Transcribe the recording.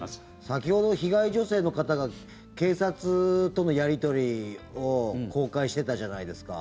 先ほど被害女性の方が警察とのやり取りを公開してたじゃないですか。